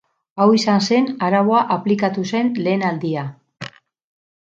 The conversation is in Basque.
Hau izan zen araua aplikatu zen lehen aldia.